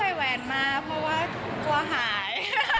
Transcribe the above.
ไม่ได้ใส่แหวนมาเพราะว่ากลัวหาย